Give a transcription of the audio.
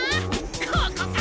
ここか？